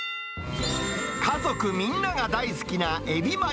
家族みんなが大好きな